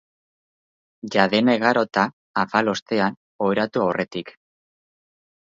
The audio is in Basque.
Ja dena igarota, afalostean, oheratu aurretik.